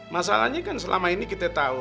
masalahnya kan selama ini kita tahu